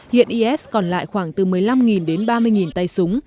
hiện is còn lại khoảng từ một mươi năm đến ba mươi tay súng